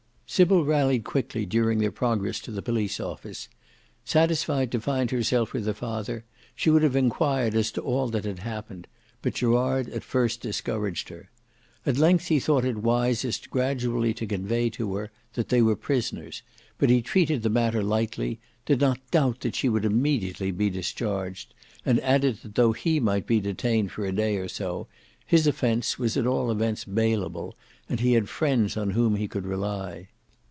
Sybil rallied quickly during their progress to the police office. Satisfied to find herself with her father she would have enquired as to all that had happened, but Gerard at first discouraged her; at length he thought it wisest gradually to convey to her that they were prisoners, but he treated the matter lightly, did not doubt that she would immediately be discharged, and added that though he might be detained for a day or so, his offence was at all events bailable and he had friends on whom he could rely.